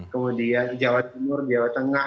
kemudian jawa timur jawa tengah